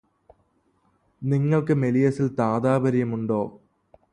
നിങ്ങള്ക്ക് മെലിയസില് താതാപര്യമുണ്ടോ